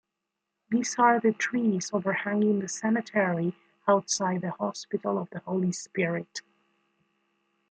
These are the trees overhanging the cemetery outside the Hospital of the Holy Spirit.